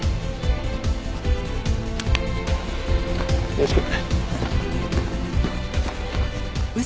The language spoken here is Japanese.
よろしく。